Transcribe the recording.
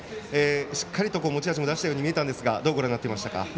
しっかりと持ち味も出したように見えましたがどうご覧になっていましたか。